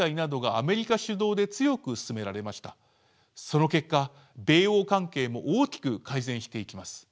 その結果米欧関係も大きく改善していきます。